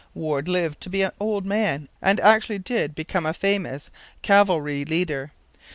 Warde lived to be an old man and actually did become a famous cavalry leader.